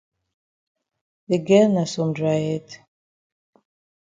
De girl na some dry head.